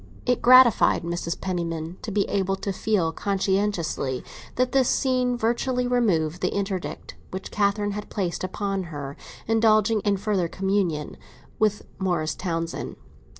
It gratified Mrs. Penniman to be able to feel conscientiously that this scene virtually removed the interdict which Catherine had placed upon her further communion with Morris Townsend.